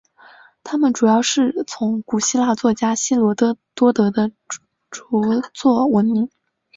他们主要是从古希腊作家希罗多德的着作闻名。